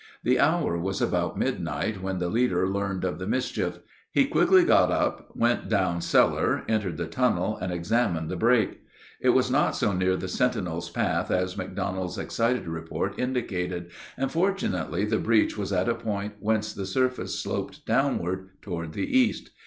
The hour was about midnight when the leader learned of the mischief. He quickly got up, went down cellar, entered the tunnel, and examined the break. It was not so near the sentinel's path as McDonald's excited report indicated, and fortunately the breach was at a point whence the surface sloped downward toward the east.